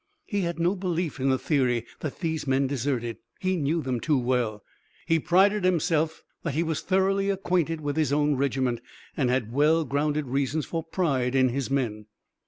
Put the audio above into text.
He had no belief in the theory that these men deserted. He knew them too well. He prided himself mat he was thoroughly acquainted with his own regiment, and had well grounded reasons for pride in his men.